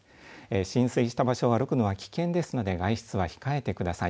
浸水した場所を歩くのは危険ですので外出は控えてください。